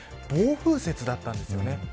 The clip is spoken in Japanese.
暴風雪だったんですよね。